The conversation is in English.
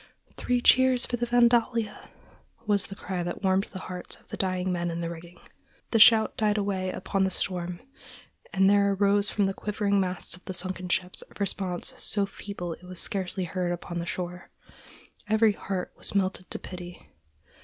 "Three cheers for the Vandalia!" was the cry that warmed the hearts of the dying men in the rigging. The shout died away upon the storm, and there arose from the quivering masts of the sunken ship a response so feeble it was scarcely heard upon the shore. Every heart was melted to pity.